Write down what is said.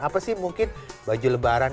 apa sih mungkin baju lebaran